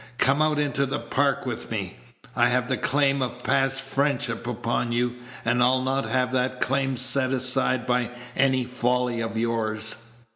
Come out into the Park with me; I have the claim of past friendship upon you, and I'll not have that claim set aside by any folly of yours."